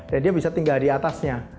dan dia bisa tinggal di atasnya